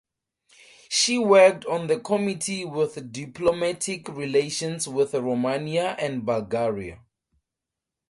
She worked on the committee with diplomatic relations with Romania and Bulgaria.